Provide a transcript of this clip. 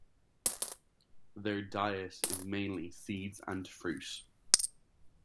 Their diet is mainly seeds and fruit.